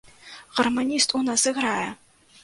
Гарманіст у нас іграе!